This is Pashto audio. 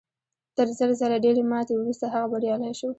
تر زر ځله ډېرې ماتې وروسته هغه بریالی شو